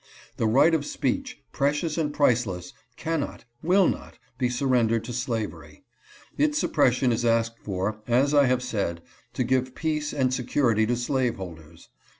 The right of speech, precious and priceless, cannot — will not — be surrendered to slavery. Its sup pression is asked for, as I have said, to give peace and security to slaveholders.